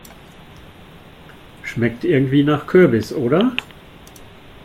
Schmeckt irgendwie nach Kürbis, oder?